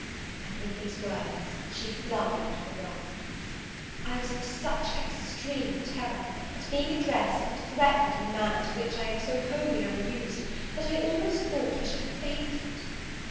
And, with these words, she flung out of the room. I was in such extreme terror, at being addressed and threatened in a manner to which I am so wholly unused, that I almost thought I should have fainted.